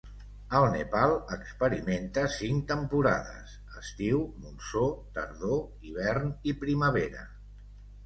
El Nepal experimenta cinc temporades: estiu, monsó, tardor, hivern i primavera.